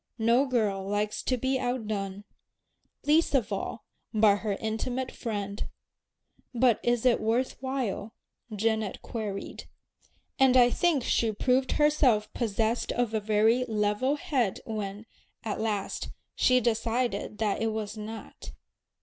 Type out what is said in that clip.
No girl likes to be outdone, least of all by her intimate friend. "But is it worth while?" Janet queried. And I think she proved herself possessed of a very "level head" when, at last, she decided that it was not.